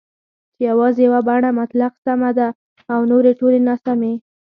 چې یوازې یوه بڼه مطلق سمه ده او نورې ټولې ناسمي